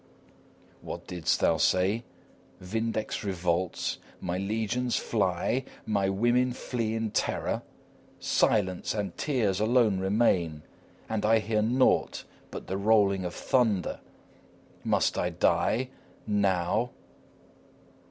What didst thou say? Vindex revolts, my legions fly, my women flee in terror? Silence and tears alone remain, and I hear naught but the rolling of thunder. Must I die, now?